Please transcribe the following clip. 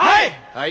はい！